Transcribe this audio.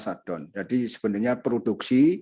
jadi sebenarnya produksi